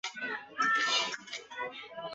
围炉里有以下各种用途。